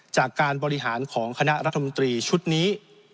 จากการบริหารของคณะรัฐมนตรีชุดนี้